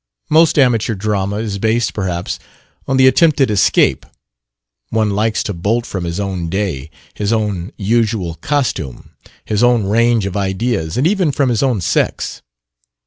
Most amateur drama is based, perhaps, on the attempted "escape": one likes to bolt from his own day, his own usual costume, his own range of ideas, and even from his own sex.